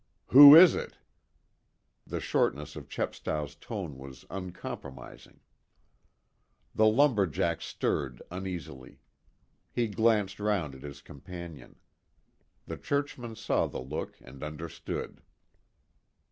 "Who is it?" The shortness of Chepstow's tone was uncompromising. The lumber jack stirred uneasily. He glanced round at his companion. The churchman saw the look and understood.